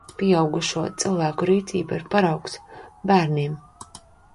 Pieaugušo cilvēku rīcība ir paraugs bērniem.